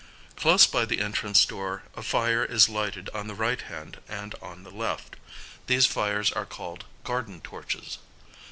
Close by the entrance door a fire is lighted on the right hand and on the left. These fires are called garden torches.